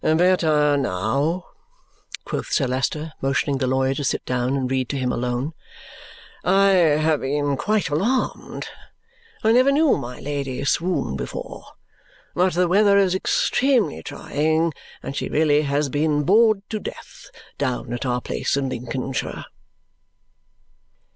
"Better now," quoth Sir Leicester, motioning the lawyer to sit down and read to him alone. "I have been quite alarmed. I never knew my Lady swoon before. But the weather is extremely trying, and she really has been bored to death down at our place in Lincolnshire."